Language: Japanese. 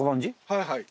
はいはい。